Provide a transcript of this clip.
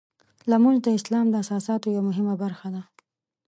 لمونځ د اسلام د اساساتو یوه مهمه برخه ده.